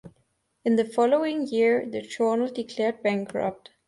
In the following year the journal declared bankrupt.